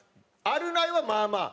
「あるない」はまあまあ。